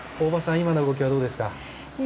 今の動きはどうですか？